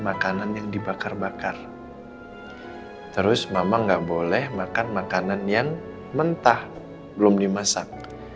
makanan yang dibakar bakar terus mama nggak boleh makan makanan yang mentah belum dimasak